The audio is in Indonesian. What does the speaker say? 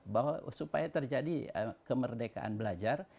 bahwa supaya terjadi kemerdekaan belajar